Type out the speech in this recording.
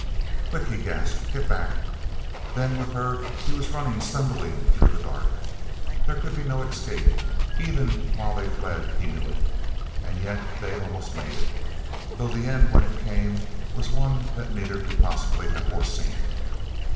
"Quick!" he gasped. "Get back!" Then, with her, he was running stumblingly through the dark. here could be no escape; even while they fled he knew it. And yet they almost made it—though the end, when it came, was one that neither could possibly have foreseen.